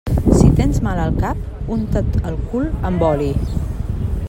Si tens mal al cap, unta't el cul amb oli.